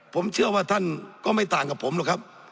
ผมเชื่อว่าท่านก็ไม่ต่างกับผมหรอกครับ